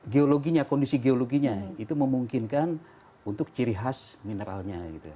geologinya kondisi geologinya itu memungkinkan untuk ciri khas mineralnya gitu